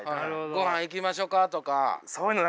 「ごはん行きましょうか？」とか。